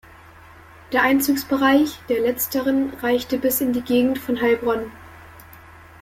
Der Einzugsbereich der letzteren reichte bis in die Gegend von Heilbronn.